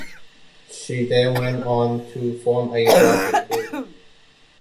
She then went on to form a rapping group.